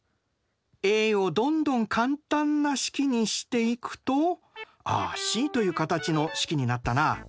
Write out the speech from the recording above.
Ａをどんどん簡単な式にしていくとああＣという形の式になったな。